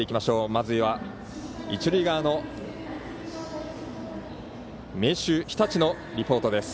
まずは、一塁側の明秀日立のリポートです。